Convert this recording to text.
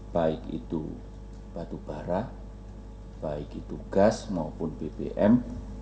baik itu batubara baik itu gas maupun bbm